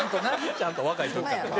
ちゃんと若い時から。